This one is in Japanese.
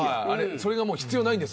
それが必要ないんです。